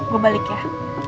gue balik ya